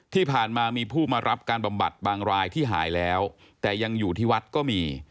ที่ผ่านมามีผู้มารับการบำบัดบางรายที่หายแล้วแต่ยังอยู่ที่วัดก็มี